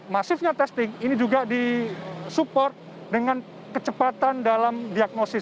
masifnya testing ini juga disupport dengan kecepatan dalam diagnosis